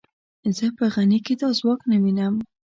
زه په غني کې دا ځواک نه وینم.